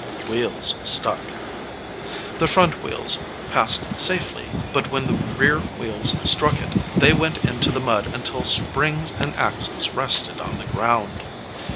Wheels Stuck. The front wheels passed safely, but when the rear wheels struck it they went into the mud until springs and axles rested on the ground.